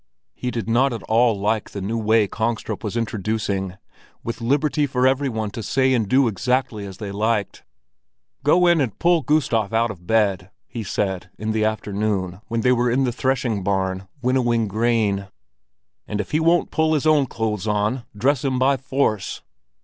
He did not at all like the new way Kongstrup was introducing—with liberty for every one to say and do exactly as they liked. "Go in and pull Gustav out of bed!" he said, in the afternoon, when they were in the threshing barn, winnowing grain. "And if he won't put his own clothes on, dress him by force."